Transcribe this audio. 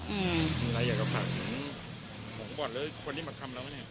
มีอะไรอยากจะฝากถึงของบ่อนหรือคนที่มาทำแล้วไง